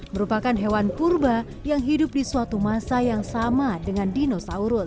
merupakan hewan purba yang hidup di suatu masa yang sama dengan dinosaurus